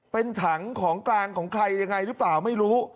เป็นถังของกลางของใครยังไงหรือเปล่าไม่รู้